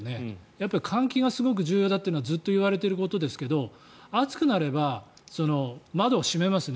やっぱり換気が重要だというのはずっと言われていることですけど暑くなれば窓を閉めますね。